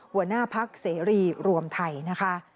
หัวหน้าพักเสรีรวมไทยนะคะ